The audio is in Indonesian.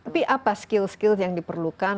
tapi apa skill skill yang diperlukan